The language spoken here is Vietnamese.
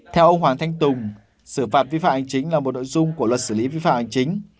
theo ông hoàng thanh tùng xử phạt vi phạm hành chính là một nội dung của luật xử lý vi phạm hành chính